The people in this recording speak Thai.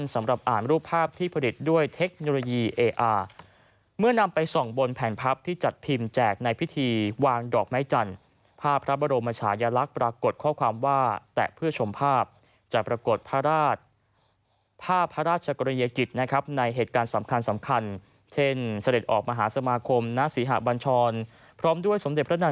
สำหรับอ่านรูปภาพที่ผลิตด้วยเทคโนโลยีเออาร์เมื่อนำไปส่องบนแผ่นพับที่จัดพิมพ์แจกในพิธีวางดอกไม้จันทร์ภาพพระบรมชายลักษณ์ปรากฏข้อความว่าแตะเพื่อชมภาพจะปรากฏพระราชภาพพระราชกรณียกิจนะครับในเหตุการณ์สำคัญเช่นเสด็จออกมหาสมาคมณศรีหะบัญชรพร้อมด้วยสมเด็จพระนาง